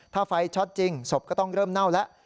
ถ้าไฟช็อตจริงศพก็ต้องเริ่มเน่าแล้ว